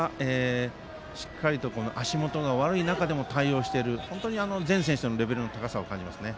また、足元が悪い中でもしっかりと対応していて本当に全選手のレベルの高さを感じますね。